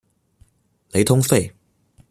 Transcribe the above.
雷通费。